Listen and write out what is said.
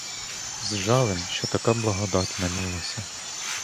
З жалем, що така благодать минулася.